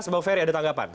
sebab ferry ada tanggapan